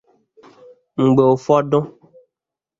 mgbe ụfọdụ